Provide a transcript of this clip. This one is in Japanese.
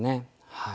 はい。